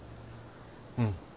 うん。